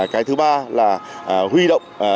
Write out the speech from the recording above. cái thứ ba là huy động